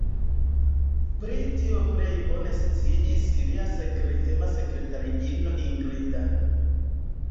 Pri tio plej bone sciis lia sekretema sekretariino Ingrida.